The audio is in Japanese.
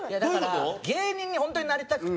芸人に本当になりたくて。